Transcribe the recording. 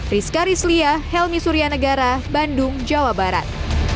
rizka rizlia helmi suryanegara bandung jawa barat